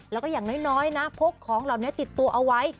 แล้วก็อย่างน้อยนะพกของเหล่านี้ติดตัวเอาไว้